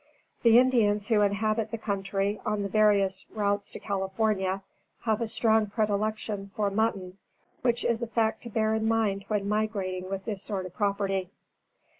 The Indians who inhabit the country on the various routes to California, have a strong predilection for mutton, which is a fact to bear in mind when migrating with this sort of property.